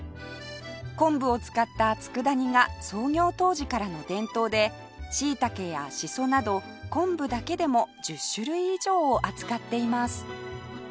昆布を使った佃煮が創業当時からの伝統で椎茸やしそなど昆布だけでも１０種類以上を扱っています